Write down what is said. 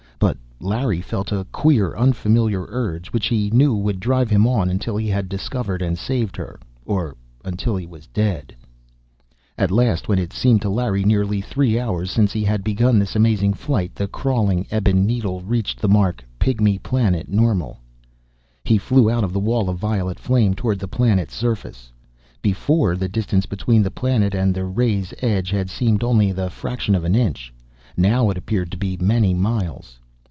But Larry felt a queer, unfamiliar urge, which, he knew, would drive him on until he had discovered and saved her or until he was dead. At last, when it seemed to Larry nearly three hours since he had begun this amazing flight, the crawling ebon needle reached the mark, "Pygmy Planet Normal." He flew out of the wall of violet flame toward the planet's surface. Before, the distance between the planet and the ray's edge had seemed only the fraction of an inch. Now it appeared to be many miles.